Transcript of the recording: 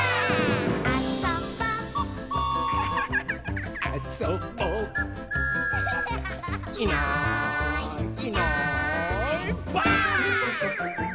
「あそぼ」「あそぼ」「いないいないばあっ！」